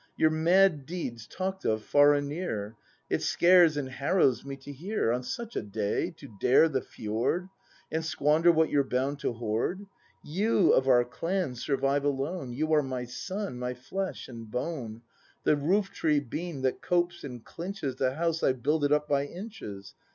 ] Your mad deed's talked of far and near; It scares and harrows me to hear. On such a day to dare the fjord. And squander what you're bound to hoard! You of our clan survive alone. You are my son, my flesh and bone; The roof tree beam that copes and clinches The house I've builded up by inches.